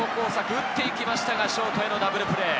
打っていきましたが、ショートへのダブルプレー。